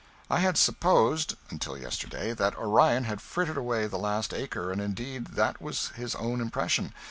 I had supposed, until yesterday, that Orion had frittered away the last acre, and indeed that was his own impression.